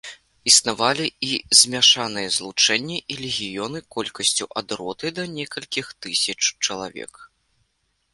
Існавалі і змяшаныя злучэнні і легіёны колькасцю ад роты да некалькіх тысяч чалавек.